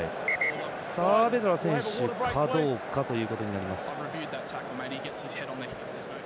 サアベドラ選手かどうかということになります。